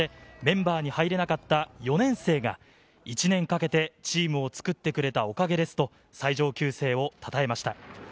そしてメンバーに入れなかった４年生が１年かけてチームを作ってくれたおかげですと最上級生をたたえました。